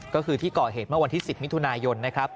ก็คือที่ก่อเหตุเมื่อวันที่๑๐มิถุนายนนะครับ